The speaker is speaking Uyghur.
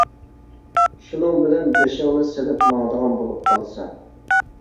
شۇنىڭ بىلەن بېشىڭنى سېلىپ ماڭىدىغان بولۇپ قالىسەن.